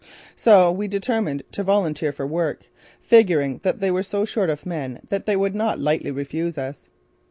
So we determined to volunteer for work, figuring that they were so short of men that they would not lightly refuse us.